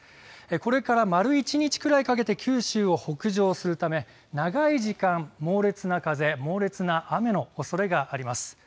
これから丸一日くらいかけて九州を北上するため長い時間、猛烈な風、猛烈な雨のおそれがあります。